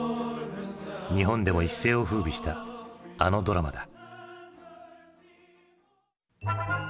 日本でも一世をふうびしたあのドラマだ。